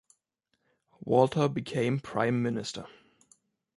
Walter became Prime Minister.